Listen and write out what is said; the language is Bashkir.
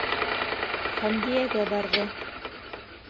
Хәмдиәгә барҙы.